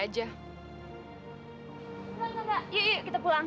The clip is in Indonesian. glenn kakak yuk yuk kita pulang